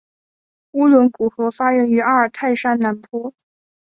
乌伦古河发源于阿尔泰山南坡。